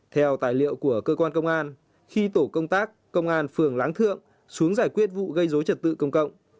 theo tài liệu của cơ quan công an khi tổ công tác công an phường láng thượng xuống giải quyết vụ gây dối trật tự công cộng